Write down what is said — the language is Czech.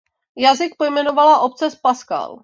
Jazyk pojmenovala Object Pascal.